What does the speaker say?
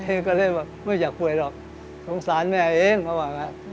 ก็เลยแบบไม่อยากป่วยหรอกสงสารแม่เองเขาว่างั้น